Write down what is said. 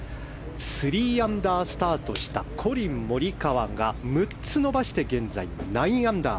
３アンダースタートしたコリン・モリカワが６つ伸ばして、現在９アンダー。